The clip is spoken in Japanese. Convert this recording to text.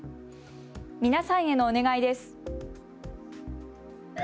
皆さんへのお願いです。